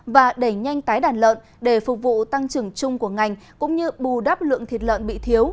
và đẩy nhanh tái đàn lợn để phục vụ tăng trưởng chung của ngành cũng như bù đắp lượng thịt lợn bị thiếu